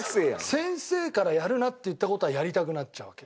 先生からやるなって言った事はやりたくなっちゃうわけ。